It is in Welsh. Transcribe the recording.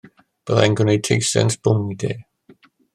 Bydda i'n gwneud teisen sbwng i de.